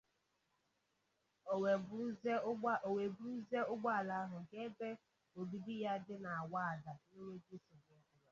O wee buruzie ụgbọala ahụ gaa ebe obibi ya dị n'Awada n'enweghị nsogbu ọbụla